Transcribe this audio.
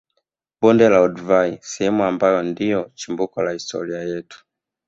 Bonde la Oldupai sehemu ambayo ndio chimbuko la historia yetu